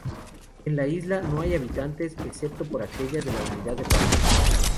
En la isla no hay habitantes, excepto por aquellas de la Unidad de Parques.